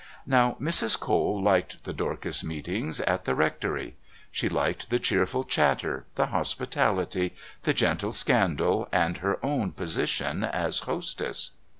Now Mrs. Cole liked the Dorcas meetings at the Rectory; she liked the cheerful chatter, the hospitality, the gentle scandal and her own position as hostess.